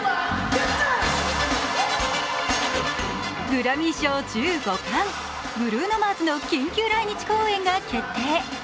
グラミー賞１５冠、、ブルーノ・マーズの緊急来日公演が決定。